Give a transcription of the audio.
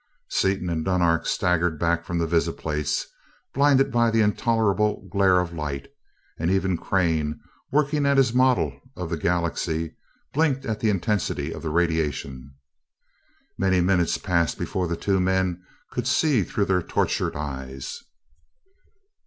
Seaton and Dunark staggered back from the visiplates, blinded by the intolerable glare of light, and even Crane, working at his model of the galaxy, blinked at the intensity of the radiation. Many minutes passed before the two men could see through their tortured eyes.